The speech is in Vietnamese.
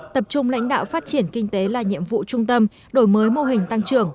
tập trung lãnh đạo phát triển kinh tế là nhiệm vụ trung tâm đổi mới mô hình tăng trưởng